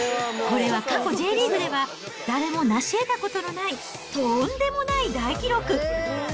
これは過去Ｊリーグでは誰も成しえたことのないとんでもない大記録。